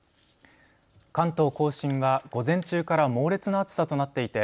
関東甲信は午前中から猛烈な暑さとなっていて